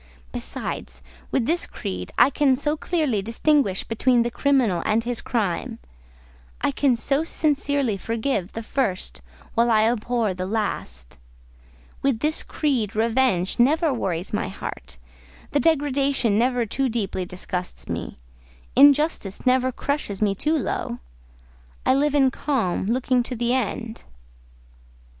Besides, with this creed, I can so clearly distinguish between the criminal and his crime; I can so sincerely forgive the first while I abhor the last: with this creed revenge never worries my heart, degradation never too deeply disgusts me, injustice never crushes me too low: I live in calm, looking to the end."